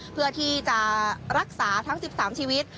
เพื่อที่จะรักษาทั้ง๑๓ชีวิต